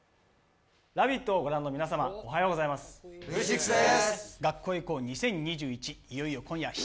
「ラヴィット！」を御覧の皆様、おはようございます。